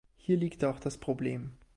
Hier liegt auch das Problem.